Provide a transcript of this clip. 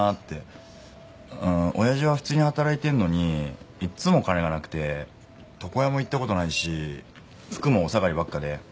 おやじは普通に働いてるのにいつも金がなくて床屋も行った事ないし服もお下がりばっかで。